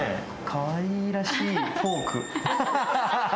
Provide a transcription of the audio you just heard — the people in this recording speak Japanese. かわいらしいフォーク。